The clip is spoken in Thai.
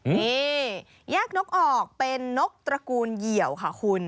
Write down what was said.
นี่แยกนกออกเป็นนกตระกูลเหยียวค่ะคุณ